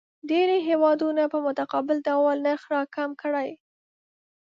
ډېری هیوادونه په متقابل ډول نرخ راکم کړي.